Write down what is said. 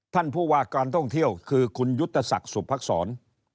ท่านผู้ว่าการท่องเที่ยวคือคุณยุทธศักดิ์สุภักษร